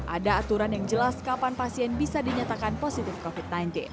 ada aturan yang jelas kapan pasien bisa dinyatakan positif covid sembilan belas